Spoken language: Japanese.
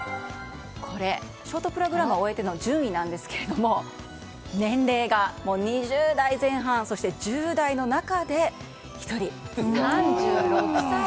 これ、ショートプログラムを終えての順位なんですけれども年齢が２０代前半そして、１０代の中で１人、３６歳！